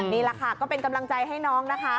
นี่แหละค่ะก็เป็นกำลังใจให้น้องนะคะ